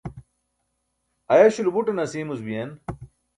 ayaśulo buṭan asiimuc biyen